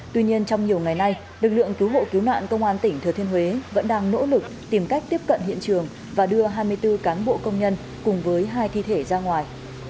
tuy nhiên trong nhiều ngày nay lực lượng cứu hộ cứu nạn công an tỉnh thừa thiên huế vẫn đang nỗ lực tìm cách tiếp cận hiện trường và đưa hai mươi bốn cán bộ công nhân cùng với hai thi thể ra ngoài